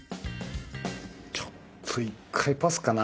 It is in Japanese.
ちょっと１回パスかな。